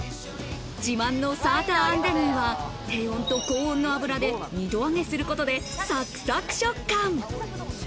自慢のサーターアンダギーは低温と高温の油で２度揚げすることでサクサク食感。